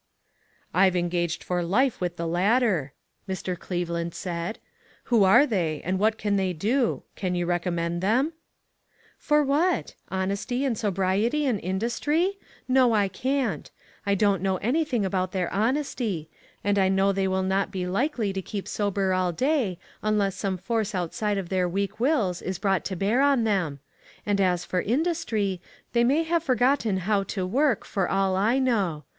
"I've engaged for life with the latter," Mr. Cleveland said. " Who are they, and what can they do ? can you recommend them ?" "For what? Honesty and sobriety and industry? No, I can't. I don't know any thing about their honesty; and I know they will not be likely to keep sober all day, unless some force outside of their weak wills is brought to bear on them ; and, as for industry, they may have forgotten how to work, for all I know.